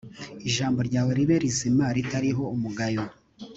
ijambo ryawe ribe rizima ritariho umugayo